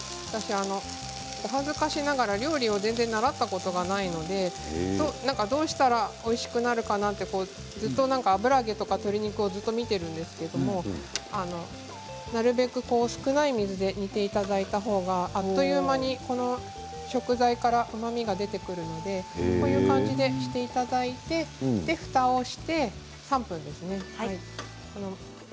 お恥ずかしながら、料理を全然習ったことはないのでどうしたら、おいしくなるかなとずっと油揚げとか鶏肉をずっと見ているんですけどもなるべく少ない水で煮ていただいたほうがあっという間に食材からうまみが出てくるのでこういう感じにしていただいてふたをして３分ですね。